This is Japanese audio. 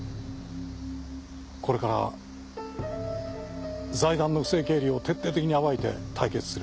これから財団の不正経理を徹底的に暴いて対決する。